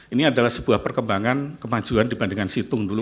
ini adalah sebuah perkembangan kemajuan dibandingkan situng dulu